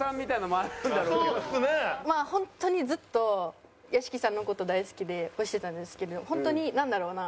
まあ本当にずっと屋敷さんの事大好きで押してたんですけど本当になんだろうな